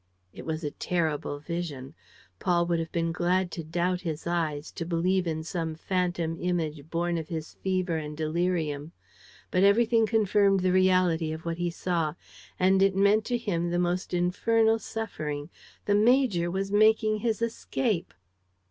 It was a terrible vision. Paul would have been glad to doubt his eyes, to believe in some phantom image born of his fever and delirium. But everything confirmed the reality of what he saw; and it meant to him the most infernal suffering. The major was making his escape!